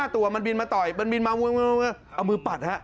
ตัวมันบินมาต่อยมันบินมาเอามือปัดฮะ